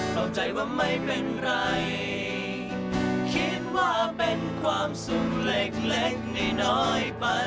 เข้าใจว่าไม่เป็นไรคิดว่าเป็นความสุขเล็กน้อยไป